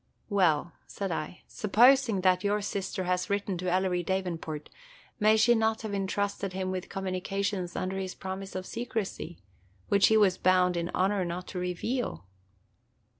"Well," said I, "supposing that your sister has written to Ellery Davenport, may she not have intrusted him with communications under his promise of secrecy, which he was bound in honor not to reveal?"